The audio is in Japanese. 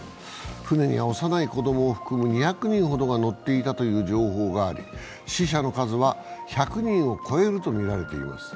船には幼い子供を含む２００人ほどが乗っていたという情報があり死者の数は１００人を超えるとみられています。